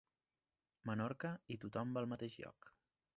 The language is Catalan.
Menorca i tothom va al mateix lloc.